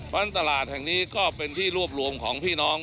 เพราะฉะนั้นตลาดแห่งนี้ก็เป็นที่รวบรวมของพี่น้อง